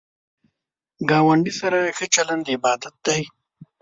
ګاونډی سره ښه چلند عبادت دی